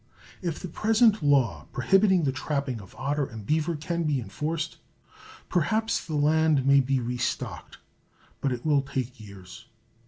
If the present law, prohibiting the trapping of otter and beaver, can be enforced, perhaps the land may be restocked, but it will take years.